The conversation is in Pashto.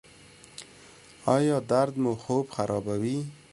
ایا درد مو خوب خرابوي؟